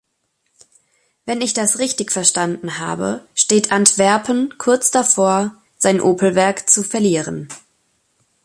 Wenn ich das richtig verstanden habe, steht Antwerpen kurz davor, sein Opel-Werk zu verlieren.